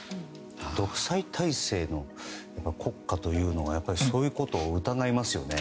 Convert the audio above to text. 独裁体制の国家というのはそういうことを疑いますよね。